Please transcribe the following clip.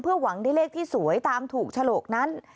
หวังได้เลขที่สวยตามถูกฉลกนั้น